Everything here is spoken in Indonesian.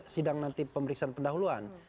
sidang nanti pemeriksaan pendahuluan